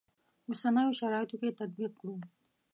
اوسنیو شرایطو کې تطبیق کړو.